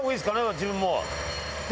自分も。